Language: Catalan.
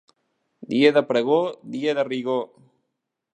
Dia de pregó, dia de rigor.